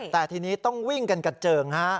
แต่ทีนี้ต้องวิ่งกันกระเจิงฮะ